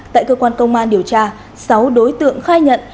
tại cơ quan công an điều tra sáu đối tượng khai nhận